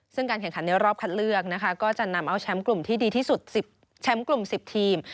ซึ่งการแข่งขันในรอบคัดเลือกนะคะก็จะนำเอาแชมป์กลุ่มที่ดีที่สุด๑๐แชมป์กลุ่ม๑๐ทีม